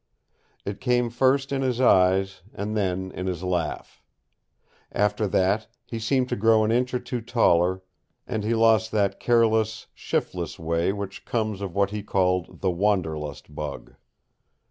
It came first in his eyes, and then in his laugh. After that he seemed to grow an inch or two taller, and he lost that careless, shiftless way which comes of what he called the wanderlust bug.